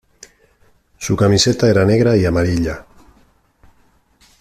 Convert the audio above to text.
Su camiseta era negra y amarilla.